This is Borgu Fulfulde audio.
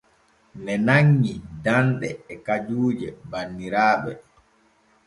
Ŋe nanŋi danɗe e kajuuje banniraaɓe.